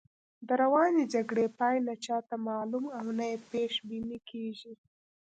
د روانې جګړې پای نه چاته معلوم او نه یې پیش بیني کېږي.